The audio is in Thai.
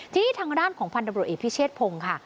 ที่นี่ทางกระด้านของฟันดัมนุ้ยแบบปิเชศพงศ์ค่ะ